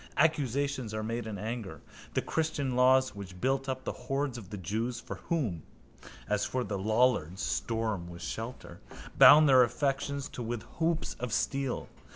Accusations are made in anger. The christian laws which built up the hoards of the jews (for whom, as for the lollards, storm was shelter) bound their affections too with hoops of steel.